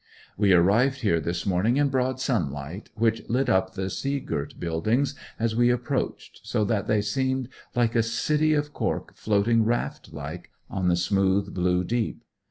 We arrived here this morning in broad sunlight, which lit up the sea girt buildings as we approached so that they seemed like a city of cork floating raft like on the smooth, blue deep.